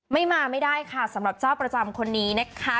ไม่มาไม่ได้ค่ะสำหรับเจ้าประจำคนนี้นะคะ